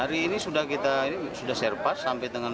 hari ini sudah kita serpas sampai tanggal dua